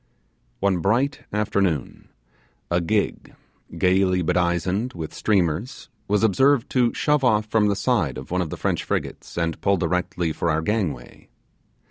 One bright afternoon, a gig, gaily bedizened with streamers, was observed to shove off from the side of one of the French frigates, and pull directly for our gangway.